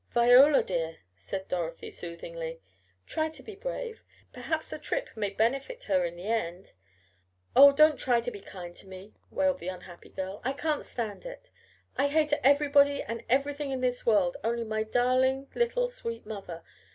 "Viola, dear," said Dorothy soothingly. "Try to be brave. Perhaps the trip may benefit her in the end." "Oh, don't try to be kind to me," wailed the unhappy girl. "I can't stand it! I hate everybody and everything in this world only my darling little sweet mother!